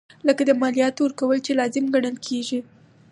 لکه د مالیاتو ورکول چې لازم ګڼل کیږي.